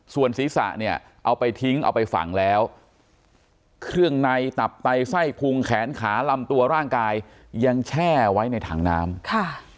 ส่วนศีรษะเนี่ยเอาไปทิ้งเอาไปฝังแล้วเครื่องในตับไตไส้พุงแขนขาลำตัวร่างกายยังแช่ไว้ในถังน้ำค่ะ